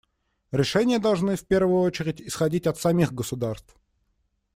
Решения должны, в первую очередь, исходить от самих государств.